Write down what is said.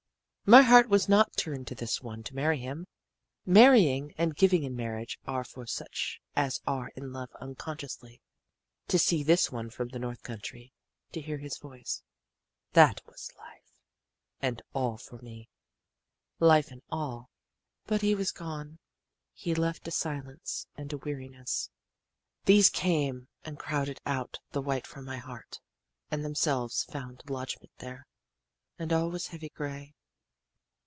"My heart was not turned to this one to marry him. Marrying and giving in marriage are for such as are in love unconsciously. "To see this one from the north country to hear his voice that was life and all for me life and all. "But he was gone. "He left a silence and a weariness. "These came and crowded out the white from my heart, and themselves found lodgment there. "And all was heavy gray.